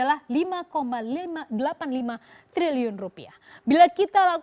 sehingga penghematannya selama rivian dalam bonus sudah di jerobohi